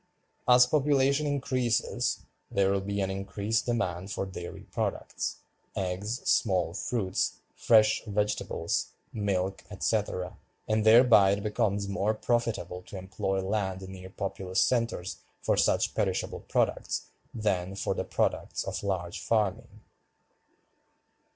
As population increases there will be an increased demand for dairy products, eggs, small fruits, fresh vegetables, milk, etc., and thereby it becomes more profitable to employ land near populous centers for such perishable products than for the products of large farming.